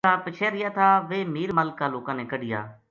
جہیڑا پِچھے رہیا تھا ویہہ میر ملک کا لوکاں نے کڈھیا